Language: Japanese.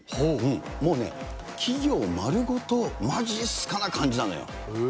もうね、企業丸ごとまじっすかな感じなのよ。